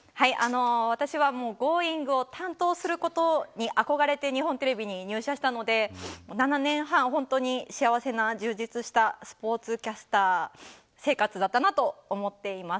私は「Ｇｏｉｎｇ！」を担当することに憧れて日本テレビに入社したので７年半、本当に幸せな充実したスポーツキャスター生活だったなと思っています。